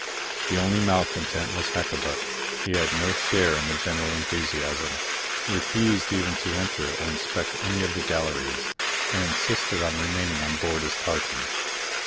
The only malcontent was Hakkabut; he had no share in the general enthusiasm, refused even to enter or inspect any of the galleries, and insisted on remaining on board his tartan.